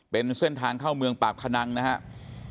เป็นเส้นทางเข้าเมืองปากพนังนะครับ